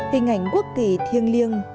hình ảnh quốc kỳ thiêng liêng